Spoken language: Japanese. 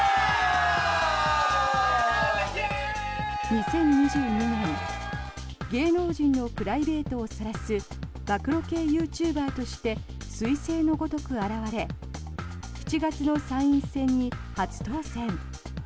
２０２２年芸能人のプライベートをさらす暴露系ユーチューバーとしてすい星のごとく現れ７月の参院選に初当選。